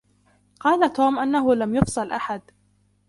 قال توم أنّه لم يُفصل أحد.